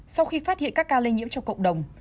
sau khi phát hiện các ca lây nhiễm trong cộng đồng